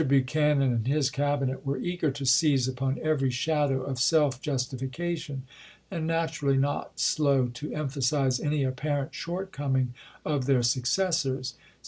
Buchanan and his Cabinet were eager to seize upon every shadow of self justifica tion, and naturally not slow to emphasize any apparent shortcoming of their successors.